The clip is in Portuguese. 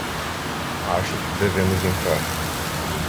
Acho que devemos entrar.